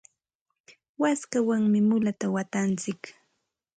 waskawanmi mulata watantsik.